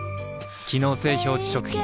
機能性表示食品